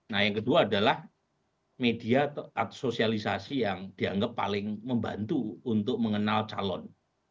nah yang kedua adalah media sosialisasi yang dianggap paling membantu untuk mengenal calon